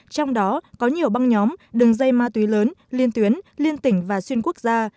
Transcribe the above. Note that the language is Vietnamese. trong đó có nhiều băng nhóm đường dây ma túy lớn liên tuyến liên tỉnh và xuyên quốc gia